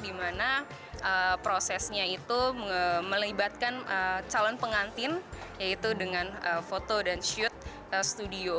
di mana prosesnya itu melibatkan calon pengantin yaitu dengan foto dan shoot studio